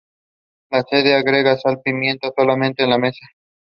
The reservoir is expected to provide irrigation water to an estimated of agricultural land.